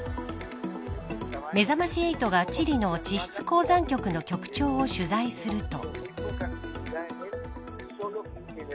めざまし８がチリの地質鉱山局の局長を取材すると。